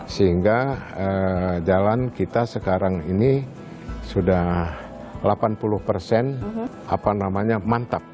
sehingga jalan kita sekarang ini sudah delapan puluh persen mantap